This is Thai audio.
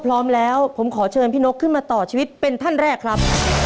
พร้อมแล้วผมขอเชิญพี่นกขึ้นมาต่อชีวิตเป็นท่านแรกครับ